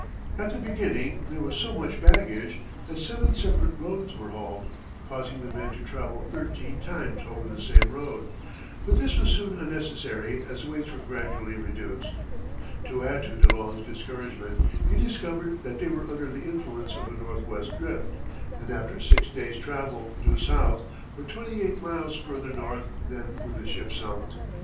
At the beginning there was so much baggage that seven separate loads were hauled, causing the men to travel thirteen times over the same road, but this was soon unnecessary, as weights were gradually reduced. To add to De Long's discouragement he discovered that they were under the influence of a northwest drift, and after six days' travel due south were twenty eight miles further north than when the ship sunk.